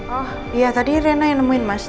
oh iya tadi rena yang nemuin mas